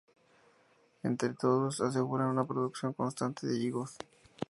Entre todos, aseguran una producción constante de higos.